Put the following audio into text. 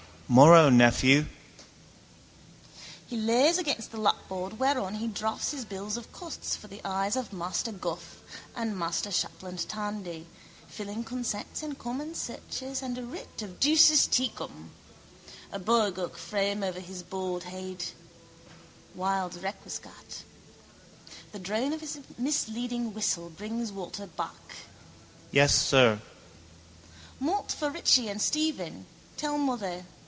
—Morrow, nephew. He lays aside the lapboard whereon he drafts his bills of costs for the eyes of master Goff and master Shapland Tandy, filing consents and common searches and a writ of Duces Tecum. A bogoak frame over his bald head: Wilde's Requiescat. The drone of his misleading whistle brings Walter back. —Yes, sir? —Malt for Richie and Stephen, tell mother.